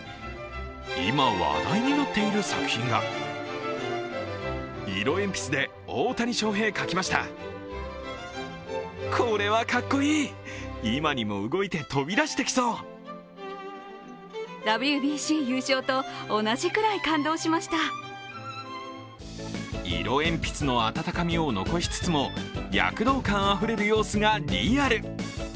今、話題になっている作品が色鉛筆の温かみを残しつつも躍動感あふれる様子がリアル。